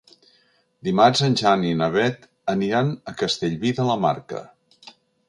Dimarts en Jan i na Beth aniran a Castellví de la Marca.